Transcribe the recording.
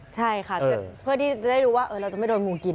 ใช่ค่ะเพื่อที่จะได้รู้ว่าเราจะไม่โดนงูกิน